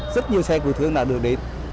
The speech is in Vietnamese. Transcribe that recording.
rất nhiều xe cử thương đã được đến